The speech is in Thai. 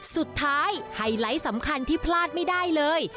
ไฮไลท์สำคัญที่พลาดไม่ได้เลย